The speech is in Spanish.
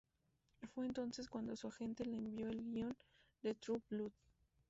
Fue entonces cuando su agente le envió el guion de True Blood.